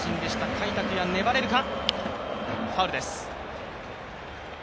甲斐拓也、粘れるか。